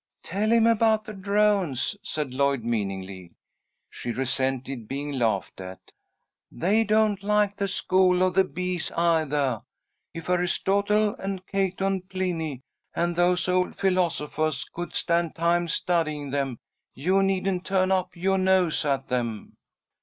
"Tell him about the drones," said Lloyd, meaningly. She resented being laughed at. "They don't like the school of the bees eithah. If Aristotle and Cato and Pliny and those old philosophahs could spend time studying them, you needn't tuh'n up yoah nose at them!"